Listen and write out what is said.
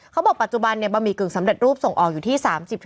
เขาบอกปัจจุบันเนี่ยบะหมี่กึ่งสำเร็จรูปส่งออกอยู่ที่๓๐๓๕